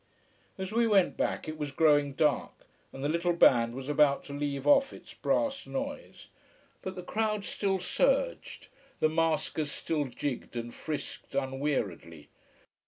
As we went back it was growing dark, and the little band was about to leave off its brass noise. But the crowd still surged, the maskers still jigged and frisked unweariedly.